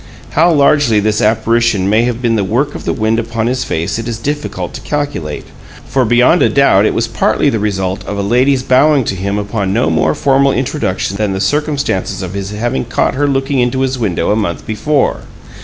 How largely this apparition may have been the work of the wind upon his face it is difficult to calculate, for beyond a doubt it was partly the result of a lady's bowing to him upon no more formal introduction than the circumstance of his having caught her looking into his window a month before.